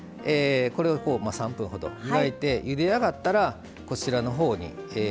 これを３分ほど湯がいてゆで上がったらこちらのほうに。